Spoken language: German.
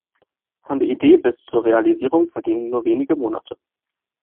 Von der Idee bis zur Realisierung vergingen nur wenige Monate.